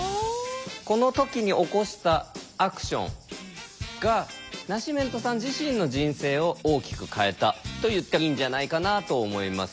この時に起こしたアクションがナシメントさん自身の人生を大きく変えたと言っていいんじゃないかなと思います。